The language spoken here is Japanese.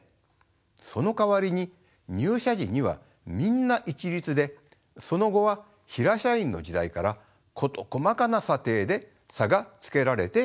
そのかわりに入社時にはみんな一律でその後はヒラ社員の時代から事細かな査定で差がつけられていきます。